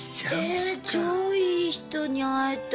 え超いい人に会えたじゃん。